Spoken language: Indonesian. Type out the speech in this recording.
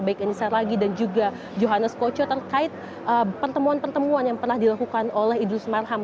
baik enisa raghi dan juga johannes budi sustenkocho terkait pertemuan pertemuan yang pernah dilakukan oleh idrus marham